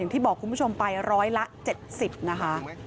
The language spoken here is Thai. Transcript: ที่บอกคุณผู้ชมไปร้อยละ๗๐นะคะ